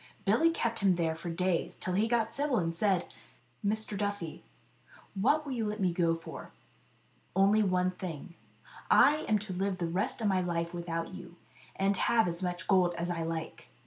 Billy kept him there for days, till he got civil and said : 58 Billy Duffy and the Devil. " Mr. Duffy, what will you let me go for ?" "Only one thing : I am to live the rest of my life without you, and have as much gold as I like."